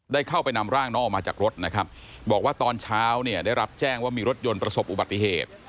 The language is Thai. ได้เข้าไปนำร่างน้องออกมาจากรถนะครับบอกว่าตอนเช้าเนี่ยได้รับแจ้งว่ามีรถยนต์ประสบอุบัติเหตุ